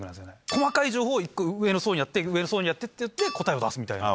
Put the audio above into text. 細かい情報を１個上の層にやって上の層にやってって答えを出すみたいな。